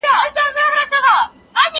ما چي ول ته به زما څخه خفه يې